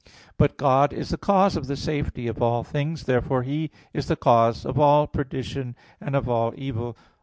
But God is the cause of the safety of all things. Therefore He is the cause of all perdition and of all evil.